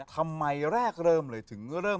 ทำไมแรกเริ่มเลย